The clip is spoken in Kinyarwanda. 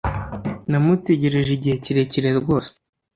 Namutegereje igihe kirekire rwose